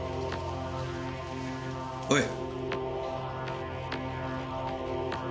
おい！